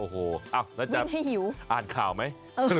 น่าจะอ่านข่าวไหม